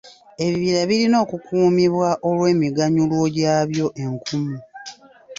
Ebibira birina okukuumibwa olw'emiganyulwo gyabyo enkumu.